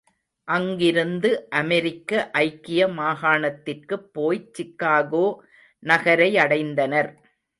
அங்கிருந்து அமெரிக்க ஐக்கிய மாகாணத்திற்குப் போய், சிக்காகோ நகரையடைந்தனர்.